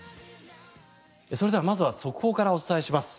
それではまずは速報からお伝えします。